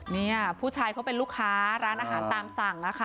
นี่ผู้ชายเขาเป็นลูกค้าร้านอาหารตามสั่งอะค่ะ